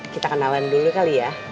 kita kenalan dulu kali ya